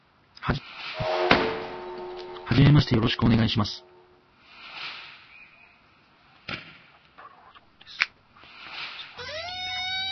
はじめまして、よろしくお願いします。